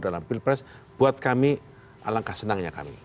dalam pilpres buat kami alangkah senangnya kami